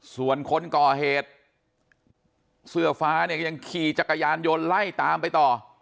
ส่วนคนก่อเหตุเสื้อฟ้าเนี่ยยังขี่จักรยานยนต์ไล่ตามไปต่อ